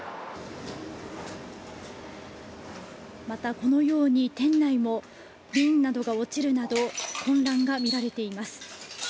また、このように店内も瓶などが落ちるなど混乱がみられています。